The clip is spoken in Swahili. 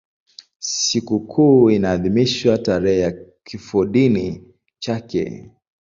Sikukuu inaadhimishwa tarehe ya kifodini chake.